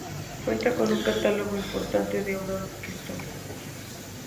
Cuenta con un catálogo importante de obra orquestal.